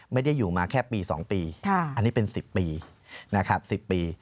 ไม่ได้อยู่มาแค่ปี๒ปีอันนี้เป็น๑๐ปีนะครับ๑๐ปี